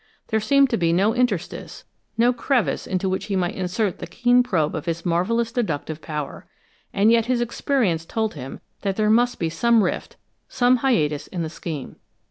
There seemed to be no interstice, no crevice into which he might insert the keen probe of his marvelous deductive power. And yet his experience told him that there must be some rift, some hiatus in the scheme.